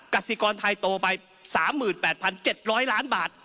กสิกรไทยโตไป๓๘๗๐๐ล้านบาท